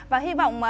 và hy vọng